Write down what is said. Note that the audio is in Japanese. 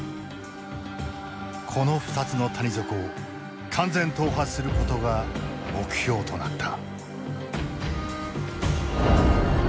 この２つの谷底を完全踏破することが目標となった。